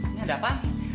ini ada apa